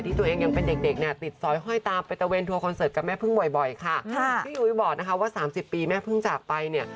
พี่ยูวิบอกนะคะว่า๓๐ปีแม่เพิ่งจากไปเนี่ย